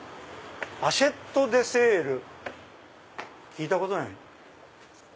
アシェットデセール聞いたことない。